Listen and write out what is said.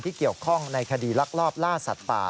เกี่ยวข้องในคดีลักลอบล่าสัตว์ป่า